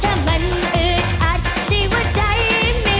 อย่าลืมพี่เบนจา